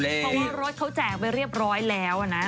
เพราะว่ารถเขาแจกไปเรียบร้อยแล้วนะ